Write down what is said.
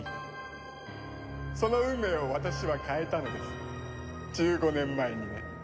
その運命を私は変えたのです１５年前にね。